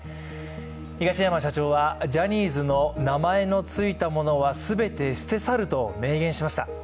東山社長はジャニーズの名前の付いたものはすべて捨て去ると名言しました。